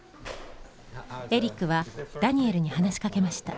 エリックはダニエルに話しかけました。